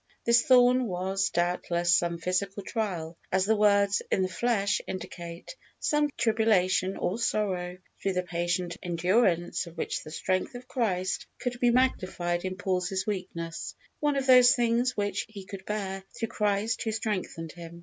This thorn was, doubtless, some physical trial as the words, "in the flesh," indicate some tribulation or sorrow, through the patient endurance of which the strength of Christ could be magnified in Paul's weakness one of those things which he could bear "through Christ who strengthened him."